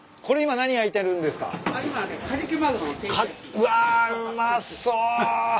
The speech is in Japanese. うわうまそう。